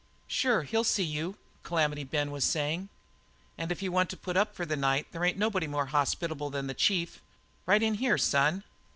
"Sure, he'll see you," Calamity Ben was saying. "And if you want to put up for the night there ain't nobody more hospital than the Chief. Right in here, son."